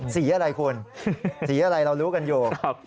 สีอะไรคุณสีอะไรเรารู้กันอยู่